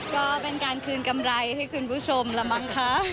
ก็เป็นการคืนกำไรให้คุณผู้ชมละมั้งคะ